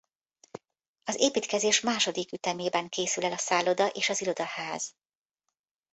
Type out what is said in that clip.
Az építkezés második ütemében készül el a szálloda és az irodaház.